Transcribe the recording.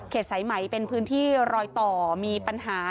สายไหมเป็นพื้นที่รอยต่อมีปัญหา